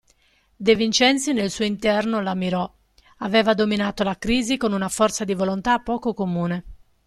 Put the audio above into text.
De Vincenzi nel suo interno la ammirò: aveva dominato la crisi con una forza di volontà poco comune.